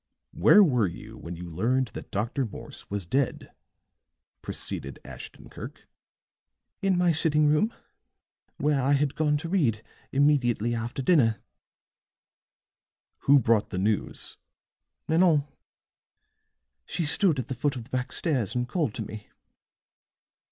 "Where were you when you learned that Dr. Morse was dead?" proceeded Ashton Kirk. "In my sitting room, where I had gone to read immediately after dinner." [Illustration: "WHO BROUGHT THE NEWS?"] "Who brought the news?" "Nanon. She stood at the foot of the back stairs and called to me."